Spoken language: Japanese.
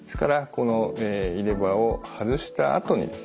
この入れ歯を外したあとにですね